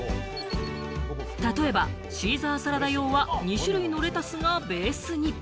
例えばシーザーサラダ用は２種類のレタスがベースに。